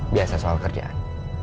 biasa soal kerjaan